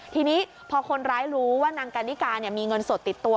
ทีนี้พอคนร้ายรู้ว่านางกันนิกามีเงินสดติดตัว